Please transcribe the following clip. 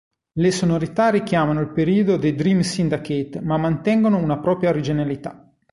Le sonorità richiamano il periodo dei Dream Syndicate ma mantengono una propria originalità.